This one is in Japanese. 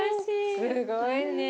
すごいね。